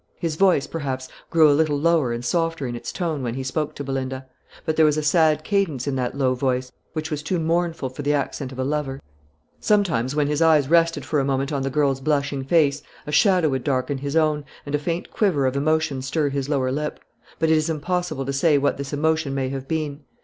His voice, perhaps, grew a little lower and softer in its tone when he spoke to Belinda; but there was a sad cadence in that low voice, which was too mournful for the accent of a lover. Sometimes, when his eyes rested for a moment on the girl's blushing face, a shadow would darken his own, and a faint quiver of emotion stir his lower lip; but it is impossible to say what this emotion may have been.